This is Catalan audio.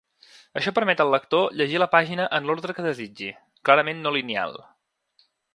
Això permet al lector llegir la pàgina en l'ordre que desitgi, clarament no lineal.